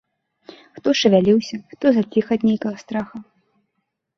Хто шавяліўся, хто заціх ад нейкага страху.